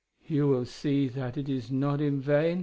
"You will see that it is not in vain?"